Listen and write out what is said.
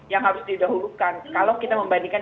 yang harus didahulukan